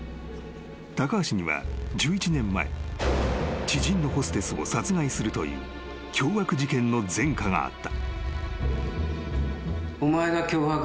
［高橋には１１年前知人のホステスを殺害するという凶悪事件の前科があった］